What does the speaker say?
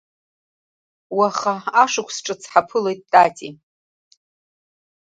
Уаха ашықәс ҿыц ҳаԥылоит, Тати.